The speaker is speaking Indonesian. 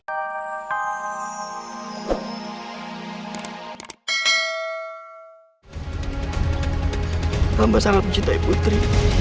amba sangat mencintai putri